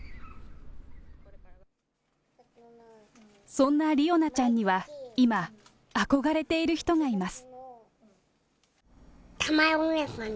そんな理央奈ちゃんには今、憧れている人がいます。